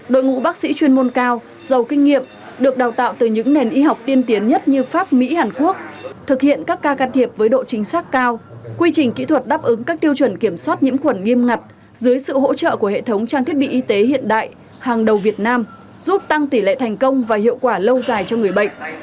đội ngũ bác sĩ chuyên môn cao giàu kinh nghiệm được đào tạo từ những nền y học tiên tiến nhất như pháp mỹ hàn quốc thực hiện các ca can thiệp với độ chính xác cao quy trình kỹ thuật đáp ứng các tiêu chuẩn kiểm soát nhiễm khuẩn nghiêm ngặt dưới sự hỗ trợ của hệ thống trang thiết bị y tế hiện đại hàng đầu việt nam giúp tăng tỷ lệ thành công và hiệu quả lâu dài cho người bệnh